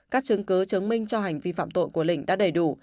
các chứng cứ chứng minh cho hành vi phạm tội của lình đã đầy đủ